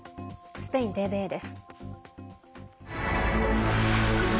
スペインＴＶＥです。